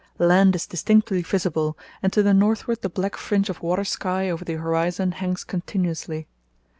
Land is distinctly visible, and to the northward the black fringe of water sky over the horizon hangs continuously.